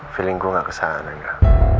feeling gue gak kesana ya